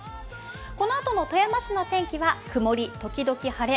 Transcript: このあとの富山市の天気は曇りときどき晴れ。